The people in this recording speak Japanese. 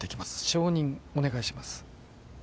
承認お願いします